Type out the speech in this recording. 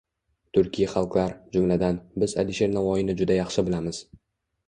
– Turkiy xalqlar, jumladan, biz Alisher Navoiyni juda yaxshi bilamiz.